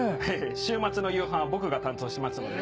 週末の夕飯は僕が担当してますので。